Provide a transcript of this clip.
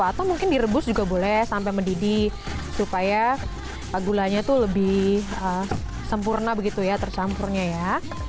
atau mungkin direbus juga boleh sampai mendidih supaya gulanya itu lebih sempurna begitu ya tercampurnya ya